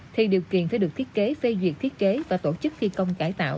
thì điều kiện sẽ được thiết kế phê duyệt thiết kế và tổ chức thi công cải tạo